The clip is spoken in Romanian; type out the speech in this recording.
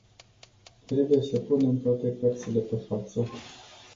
Trebuie să punem toate cărțile pe față.